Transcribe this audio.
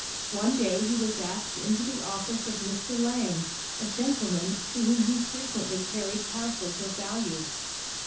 One day he was asked into the office of Mr. Lang, a gentleman to whom he frequently carried parcels of value.